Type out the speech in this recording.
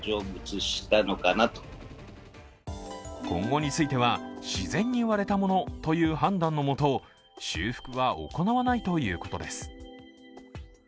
今後については自然に割れたものという判断のもと修復は行わないということです。